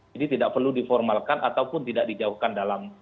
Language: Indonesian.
jadi tidak perlu diformalkan ataupun tidak dijauhkan dalam